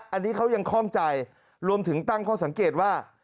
อันนี้เขายังคล่องใจรวมถึงตั้งข้อสังเกตว่า